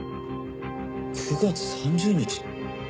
９月３０日！？